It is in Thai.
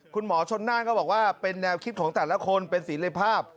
คุณหมอชนน่านก็บอกว่าเป็นแนวคิดของแต่ละคนเป็นศิริภาพ